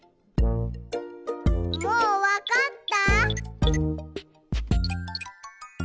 もうわかった？